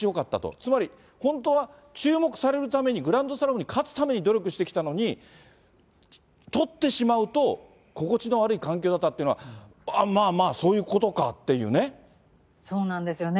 つまり、本当は注目されるために、グランドスラムに勝つために努力してきたのに、取ってしまうと、心地の悪い環境だったというのが、まあまあ、そうなんですよね。